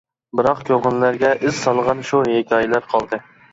بىراق كۆڭۈللەرگە ئىز سالغان شۇ ھېكايىلەر قالدى.